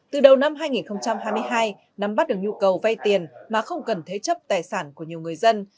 từ đầu năm hai nghìn hai mươi hai nắm bắt được nhu cầu vay tiền mà không cần thế chấp tài sản của nhiều người dân